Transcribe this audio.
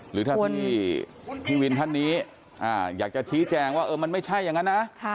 หรือถ้าพี่วินท่านนี้อยากจะชี้แจงว่ามันไม่ใช่อย่างนั้นนะ